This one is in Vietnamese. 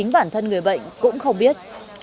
bản thân người bệnh cũng không biết